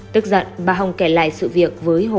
tức giận bà hồng kể lại sự việc